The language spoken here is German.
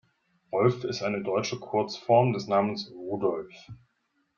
Rolf ist eine deutsche Kurzform des Namens Rudolf.